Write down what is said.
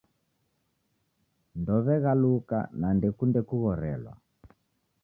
Ndow'eghaluka na ndekunde kughorelwa